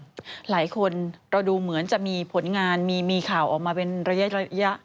หลายคนเราดูเหมือนจะมีผลงานมีข่าวออกมาเป็นระยะ